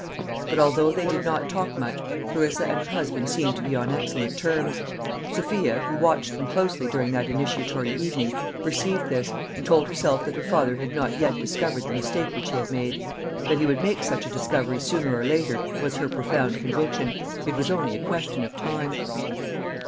But although they did not talk much, Clarissa and her husband seemed to be on excellent terms. Sophia, who watched them closely during that initiatory evening, perceived this, and told herself that her father had not yet discovered the mistake which he had made. That he would make such a discovery sooner or later was her profound conviction. It was only a question of time.